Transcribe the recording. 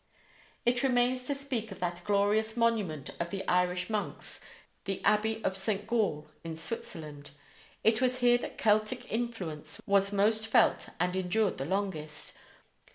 It remains to speak of that glorious monument of the Irish monks, the abbey of St. Gall, in Switzerland. It was here that Celtic influence was most felt and endured the longest.